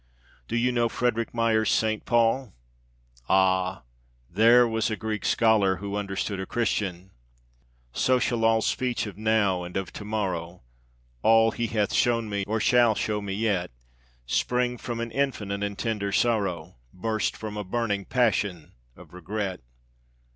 Do you know Frederic Myers's Saint Paul? ah! there was a 'Greek scholar' who understood a Christian! So shall all speech of now and of to morrow, All he hath shown me or shall show me yet, Spring from an infinite and tender sorrow, Burst from a burning passion of regret.